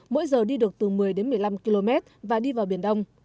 mỗi giờ đi được từ một mươi đến một mươi năm km và đi vào biển đông